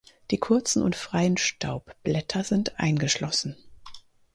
Die kurzen und freien Staubblätter sind eingeschlossen.